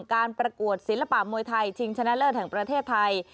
การประกวดศิลปะมวยไทยชิงชนะเลิศแห่งประเทศไทย